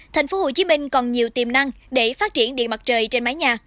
thành phố hồ chí minh còn nhiều tiềm năng để phát triển điện mặt trời trên mái nhà